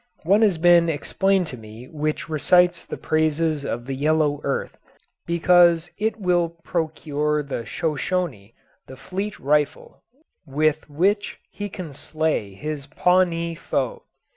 One has been explained to me which recites the praises of the "yellow earth," because it will procure the Shoshonee the fleet rifle with which he can slay his Pawnee foe.